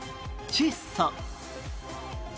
窒素。